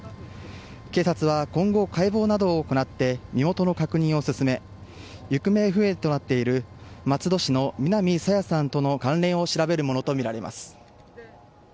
警察は今後、解剖などを行って身元の確認を進め行方不明となっている松戸市の南朝芽さんとの関連を調べるものとみられます。